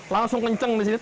langsung kenceng di sini